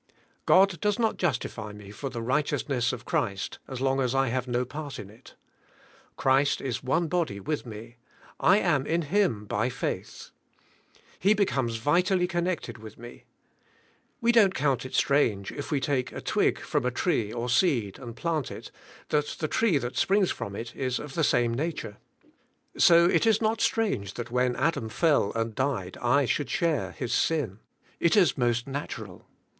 God does not justify me for the righteousness of Christ as long as I have no part in it. Christ is one body with me; I am in Him by faith. He becomes vitally connected with me. We don't count it strange if we take a twig from a tree or seed and plant it, that the tree that springs from it is of the same nature. So it is not strange that when Adam fell and died I should share his sin. It is most natural.